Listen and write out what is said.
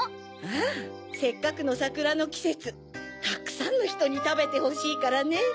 ああせっかくのさくらのきせつたくさんのひとにたべてほしいからね。